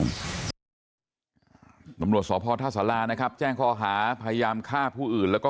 ตำรวจสพท่าสารานะครับแจ้งข้อหาพยายามฆ่าผู้อื่นแล้วก็